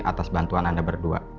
atas bantuan anda berdua